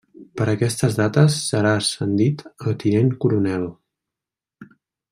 Per aquestes dates, serà ascendit a tinent coronel.